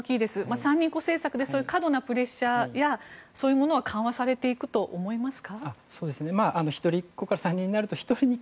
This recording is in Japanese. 三人っ子政策でそういう過度なプレッシャーやそういうものは緩和されていくと思いますか？